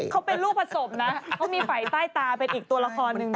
เขามีฝ่ายใต้ตาเป็นอีกตัวละครนึงด้วย